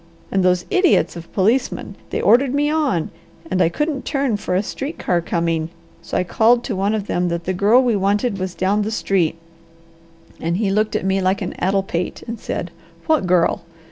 And those idiots of policemen! They ordered me on, and I couldn't turn for a street car coming, so I called to one of them that the girl we wanted was down the street, and he looked at me like an addle pate and said, 'What girl?